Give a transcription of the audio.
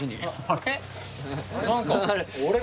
あれ？